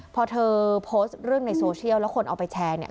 พอเธอโพสต์เรื่องในโซเชียลแล้วคนเอาไปแชร์เนี่ย